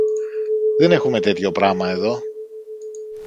Δεν έχουμε τέτοιο πράμα εδώ.